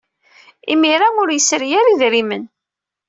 Imir-a, ur yesri ara idrimen.